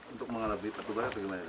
untuk mengelabi petugas atau gimana